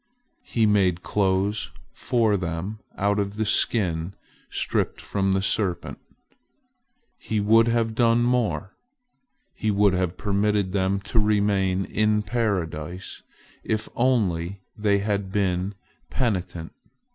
He made clothes for them out of the skin stripped from the serpent. He would have done even more. He would have permitted them to remain in Paradise, if only they had been penitent.